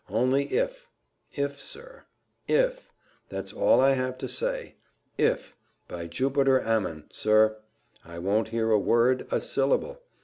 Only if if, sir if that's all I have to say if by Jupiter Ammon sir, I won't hear a word a syllable!